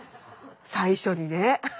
最初にね。